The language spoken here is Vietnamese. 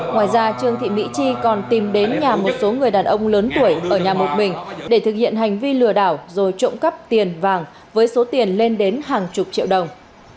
ngoài ra trương thị mỹ chi còn tìm đến nhà một số người đàn ông lớn tuổi ở nhà một mình để thực hiện hành vi lừa đảo rồi trộm cắp tiền vàng với số tiền lên đến hàng chục triệu đồng